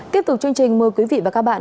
tiếp tục chương trình mời quý vị và các bạn